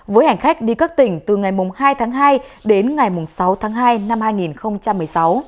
với hành khách đi các tỉnh từ ngày hai tháng hai đến ngày sáu tháng hai năm hai nghìn một mươi sáu